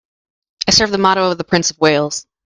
I serve the motto of the Prince of Wales.